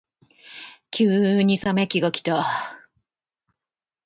急に冷め期がきた。